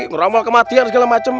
ngeramal kematian segala macem